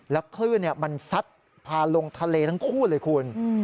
คลื่นมันซัดพาลงทะเลทั้งคู่เลยคุณ